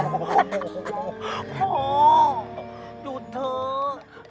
โอ้โฮพ่อหยุดเถอะ